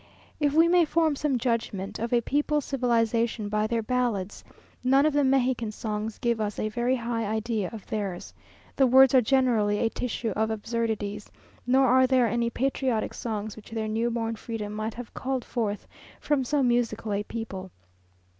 If we may form some judgment of a people's civilization by their ballads, none of the Mexican songs give us a very high idea of theirs. The words are generally a tissue of absurdities, nor are there any patriotic songs which their new born freedom might have called forth from so musical a people.